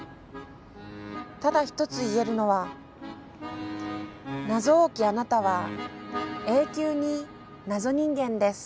ただ一つ言えるのは謎多きあなたは永久に謎人間です」。